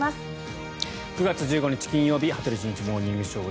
９月１５日、金曜日「羽鳥慎一モーニングショー」。